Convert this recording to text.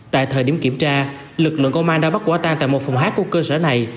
tại thời điểm kiểm tra lực lượng công an đã bắt quả tan tại một phòng hát của cơ sở này